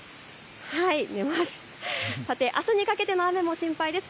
さて、あすにかけての雨も心配です。